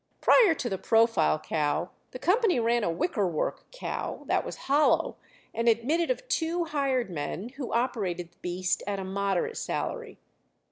Prior to the profile cow, the company ran a wicker work cow, that was hollow and admitted of two hired men, who operated the beast at a moderate salary.